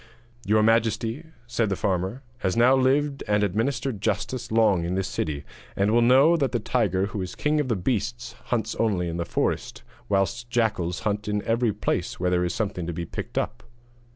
'Your majesty,' said the farmer, 'has now lived and administered justice long in this city, and will know that the tiger who is king of beasts hunts only in the forest, whilst jackals hunt in every place where there is something to be picked up.'